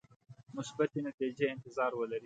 مثبتې نتیجې انتظار ولري.